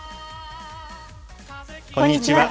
こんにちは。